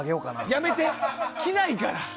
やめて、着ないから。